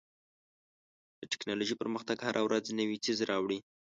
د ټکنالوژۍ پرمختګ هره ورځ نوی څیز راوړي.